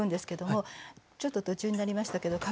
ちょっと途中になりましたけどかぼちゃがね